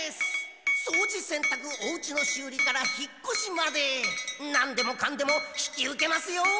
そうじせんたくおうちの修理から引っこしまでなんでもかんでも引き受けますよ！